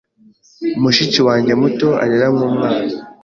Mushiki wanjye muto arira nkumwana.